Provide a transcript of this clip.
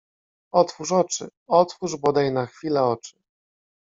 Otwórz oczy, otwórz bodaj na chwilę oczy!